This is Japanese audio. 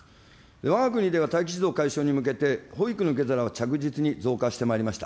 わが国では待機児童解消に向けて保育の受け皿は着実に増加してまいりました。